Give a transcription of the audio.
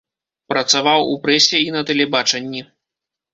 Працаваў у прэсе і на тэлебачанні.